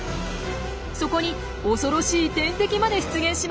そこに恐ろしい天敵まで出現します。